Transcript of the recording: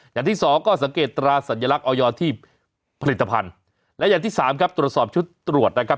อย่างที่สองก็สังเกตตราสัญลักษณ์ออยที่ผลิตภัณฑ์และอย่างที่สามครับตรวจสอบชุดตรวจนะครับ